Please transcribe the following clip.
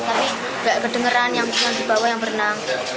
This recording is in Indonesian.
tapi nggak kedengeran yang dibawa yang berenang